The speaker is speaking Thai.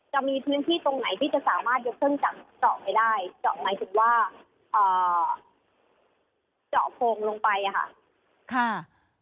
จะมีพื้นที่ตรงไหนที่จะสามารถยกเครื่องจักรเจาะไปได้เจาะหมายถึงว่าเจาะโพงลงไปค่ะ